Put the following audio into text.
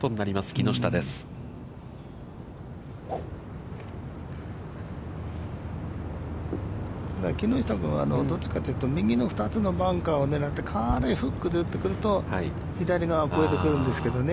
木下君はどっちかというと、右の２つのバンカーを狙って、軽いフックで打ってくると左側越えてくるんですけどね。